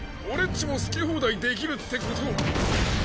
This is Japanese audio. ちも好き放題できるってこと。